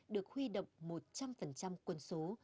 được huy động một trăm linh quân số